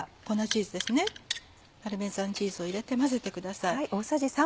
パルメザンチーズを入れて混ぜてください。